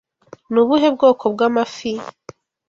Ni ubuhe bwoko bw'amafi?